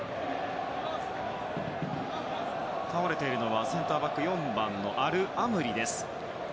倒れているのはセンターバックの４番、アルアムリ。